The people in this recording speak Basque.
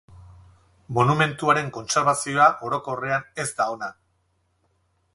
Monumentuaren kontserbazioa, orokorrean, ez da ona.